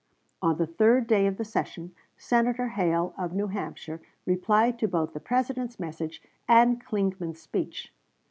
On the third day of the session, Senator Hale, of New Hampshire, replied to both the President's message and Clingman's speech.